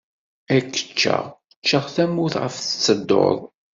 Ad k-ččeɣ, ččeɣ tamurt ɣef tettedduḍ.